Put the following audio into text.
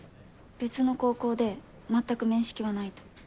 別の高校で全く面識はないと。